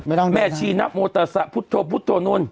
ไม่ต้องนะครับครับเมชีนะโมตาสะพุทโโปฟุโตนุน